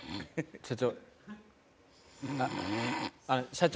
社長